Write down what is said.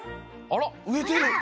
あらうえてる。